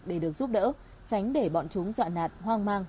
để được giúp đỡ tránh để bọn chúng dọa nạt hoang mang